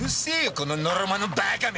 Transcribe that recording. こののろまのバーカめ！